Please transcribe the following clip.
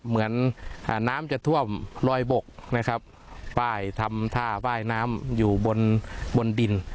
เหมือนน้ำจะท่วมรอยบกนะครับป้ายทำท่าว่ายน้ำอยู่บนบนดิน